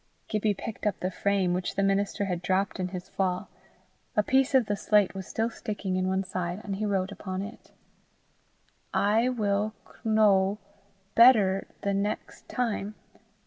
Gibbie picked up the frame which the minister had dropped in his fall: a piece of the slate was still sticking in one side, and he wrote upon it: _I will kno better the next time.